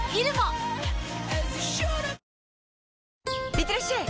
いってらっしゃい！